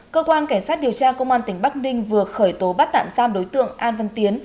cơ quan cảnh sát điều tra công an tỉnh bắc ninh vừa khởi tố bắt tạm giam đối tượng an văn tiến